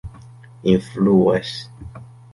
influas